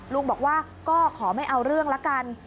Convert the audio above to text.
ลุงบอกว่าก็ขอไม่เอาเรื่องละกัน